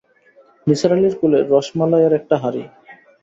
নিসার আলির কোলে রসমালাইয়ের একটা হাঁড়ি।